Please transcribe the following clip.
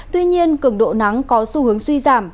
tuy nhiên cường độ nắng có xu hướng suy giảm